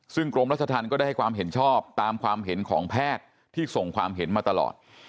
ซึ่งกรมรัชธรรมก็ได้ให้ความเห็นชอบตามความเห็นของแพทย์ที่ส่งความเห็นมาตลอด